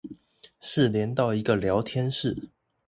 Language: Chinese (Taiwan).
是連到一個聊天室